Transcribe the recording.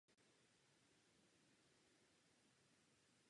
Toto opakování mise je v historii kosmonautiky jedinečné.